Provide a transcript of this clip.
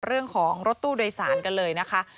เรื่องของรถตู้โดยสารกันเลยนะคะ